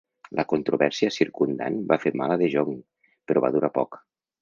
La controvèrsia circumdant va fer mal a De Jong, però va durar poc.